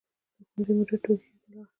د ښوونځي مدیر ټولګي ته لاړ.